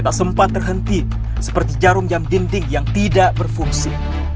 tak sempat terhenti seperti jarum jam dinding yang tidak berfungsi